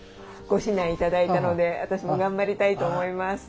ご指南頂いたので私も頑張りたいと思います。